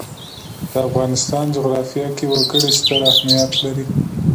د افغانستان جغرافیه کې وګړي ستر اهمیت لري.